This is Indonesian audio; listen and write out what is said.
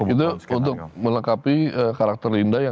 itu untuk melengkapi karakter linda yang